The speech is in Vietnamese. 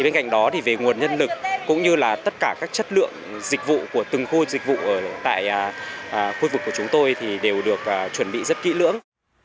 bên cạnh đó thì về nguồn nhân lực cũng như là tất cả các chất lượng dịch vụ của từng khu dịch vụ tại khu vực của chúng tôi thì đều được chuẩn bị rất kỹ lưỡng